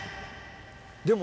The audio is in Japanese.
でも。